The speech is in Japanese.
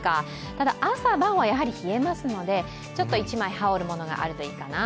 ただ、朝晩はやはり冷えますので一枚羽織るものがあるといいかな。